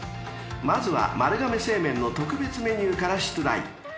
［まずは丸亀製麺の特別メニューから出題］